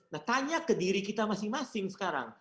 nah tanya ke diri kita masing masing sekarang